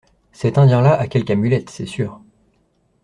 Cet Indien-là a quelque amulette, c'est sûr.